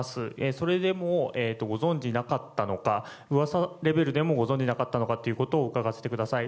それでも、ご存じなかったのか噂レベルでもご存じなかったのかということを伺わせてください。